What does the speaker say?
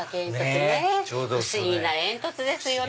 不思議な煙突ですよね。